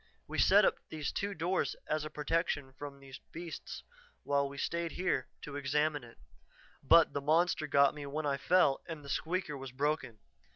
We set up these two doors as a protection from the beast while we stayed here to examine it. But the monster got me when I fell and the 'squeaker' was broken.